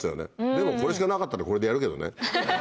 でもこれしかなかったらこれでやるけどね。